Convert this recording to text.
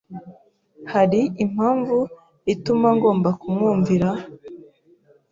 Hari impamvu ituma ngomba kumwumvira?